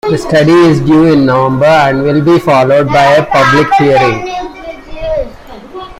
The study is due in November, and will be followed by a public hearing.